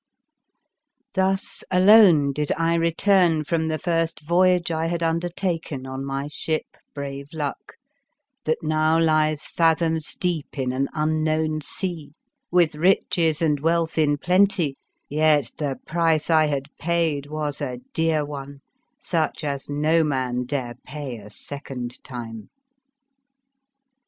Thus, alone, did I return from the first voyage I had undertaken on my ship Brave Luck, that now lies fathoms deep in an unknown sea, with riches and wealth in plenty, yet the price I had paid was a dear one, such as no man dare pay a second time.